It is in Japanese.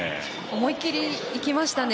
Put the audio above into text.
思いっきりいきましたね。